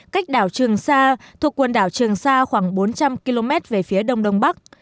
cách đảo trường sa thuộc quần đảo trường sa khoảng bốn trăm linh km về phía đông đông bắc